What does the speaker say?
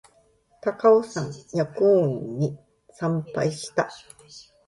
高尾山薬王院に参拝した